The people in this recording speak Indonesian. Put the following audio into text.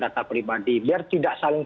data pribadi biar tidak saling